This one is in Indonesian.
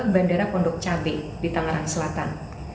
bandara pondok cabai di tangerang selatan